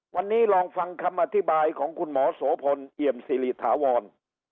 วันนี้ลองฟังคำอธิบายของคุณหมอโสพลเอี่ยมสิริถาวร